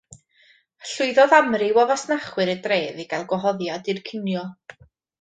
Llwyddodd amryw o fasnachwyr y dref i gael gwahoddiad i'r cinio.